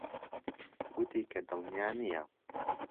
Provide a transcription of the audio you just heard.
گوتی کە دڵنیا نییە.